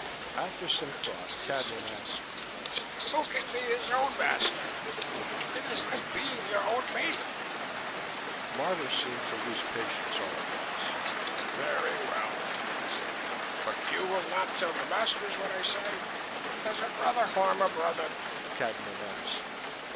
After some thought Cadnan asked: "Who can be his own master? It is like being your own mate." Marvor seemed to lose patience all at once. "Very well," he said. "But you will not tell the masters what I say?" "Does a brother harm a brother?" Cadnan asked.